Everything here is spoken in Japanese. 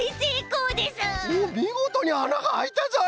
おみごとにあながあいたぞい！